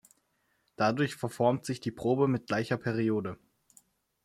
Dadurch verformt sich die Probe mit gleicher Periode.